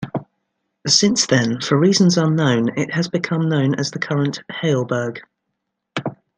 Since then, for reasons unknown, it has become known as the current "Haleburg".